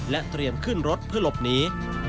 เตรียมขึ้นรถเพื่อหลบหนี